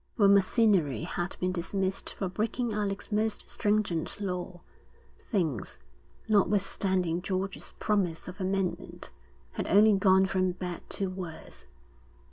When Macinnery had been dismissed for breaking Alec's most stringent law, things, notwithstanding George's promise of amendment, had only gone from bad to worse.